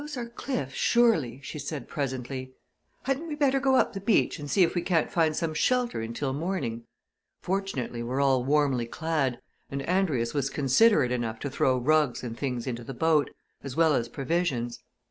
"Those are cliffs, surely," she said presently. "Hadn't we better go up the beach and see if we can't find some shelter until morning? Fortunately we're all warmly clad, and Andrius was considerate enough to throw rugs and things into the boat, as well as provisions.